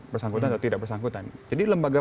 bersangkutan atau tidak bersangkutan jadi lembaga